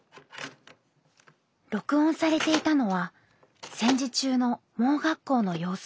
録音されていたのは戦時中の盲学校の様子。